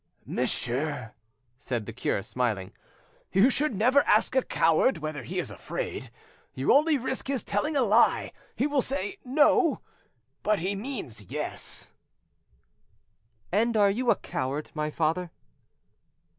"Monsieur," said the cure, smiling, "you should never ask a coward whether he is afraid, you only risk his telling a lie. He will say 'No,' but he means 'Yes.'" "And are you a coward, my father?"